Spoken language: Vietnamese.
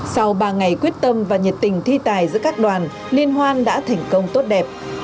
sau ba ngày quyết tâm và nhiệt tình thi tài giữa các đoàn liên hoan đã thành công tốt đẹp